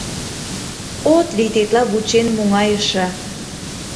«От лий тетла вучен муҥайыше